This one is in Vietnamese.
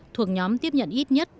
thuộc nhóm tiếp nhận ít nhất